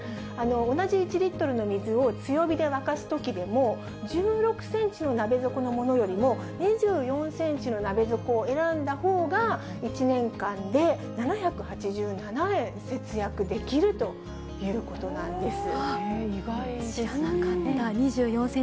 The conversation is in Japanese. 同じ１リットルの水を強火で沸かすときでも、１６センチの鍋底のものよりも２４センチの鍋底を選んだほうが、１年間で７８７円節約できるということなんです。